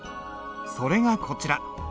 それがこちら。